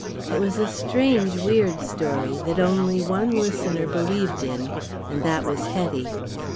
It was a strange weird story, that only one listener believed in, and that was Hetty.